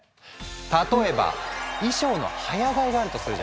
例えば衣装の早替えがあるとするじゃない？